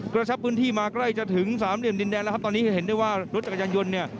กระชับพื้นที่มาใกล้จะถึงสามเหลี่ยมดินแดนแล้วครับตอนนี้จะเห็นได้ว่ารถจักรยานยนต์เนี่ย